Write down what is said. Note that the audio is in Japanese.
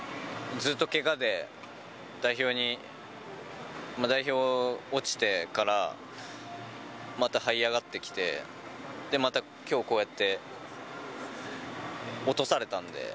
ずっとけがで代表に、まあ、代表落ちてからまたはい上がってきて、で、またきょう、こうやって落とされたんで。